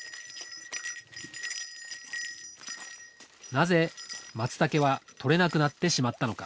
なぜマツタケは採れなくなってしまったのか